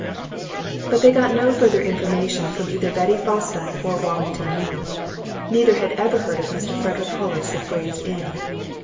But they got no further information from either Betty Fosdyke or Wallington Neale. Neither had ever heard of Mr. Frederick Hollis, of Gray's Inn.